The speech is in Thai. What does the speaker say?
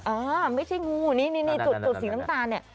อ่าไม่ใช่งูนี่นี่จุดสีน้ำตาลเนี่ย